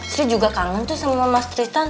saya juga kangen tuh sama mas tristan